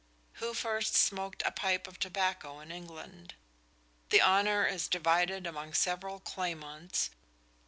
Who first smoked a pipe of tobacco in England? The honour is divided among several claimants.